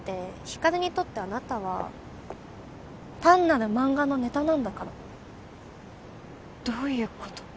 光琉にとってあなたは単なる漫画のネタなんだからどういうこと？